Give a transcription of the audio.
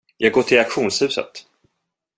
Jag går till auktionshuset.